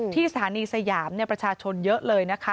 ที่สถานีสยามประชาชนเยอะเลยนะคะ